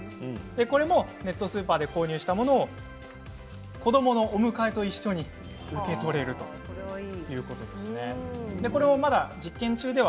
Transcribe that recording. これもネットスーパーで購入したものを子どものお迎えと一緒に受け取れるということです。